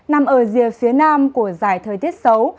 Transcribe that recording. nằm ở rìa phía nam của giải thời tiết xấu